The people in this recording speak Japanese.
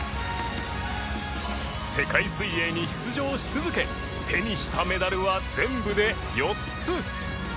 世界水泳に出場し続け手にしたメダルは全部で４つ